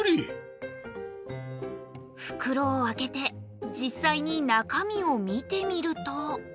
ふくろを開けて実際に中身を見てみると。